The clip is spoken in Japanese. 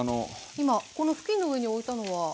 今この布巾の上に置いたのは？